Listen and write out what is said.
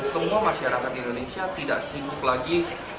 semua masyarakat indonesia tidak sibuk lagi